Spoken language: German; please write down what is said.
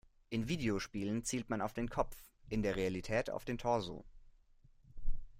In Videospielen zielt man auf den Kopf, in der Realität auf den Torso.